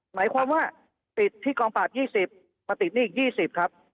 หมายความว่าติดที่กองปราบ๒๐มาติดหนี้อีก๒๐ครับ